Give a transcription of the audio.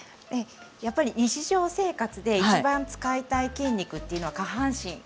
やっぱり日常生活で一番使いたい筋肉というのは下半身。